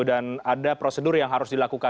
dan ada prosedur yang harus dilakukan